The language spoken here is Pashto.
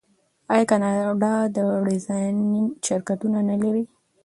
آیا کاناډا د ډیزاین شرکتونه نلري؟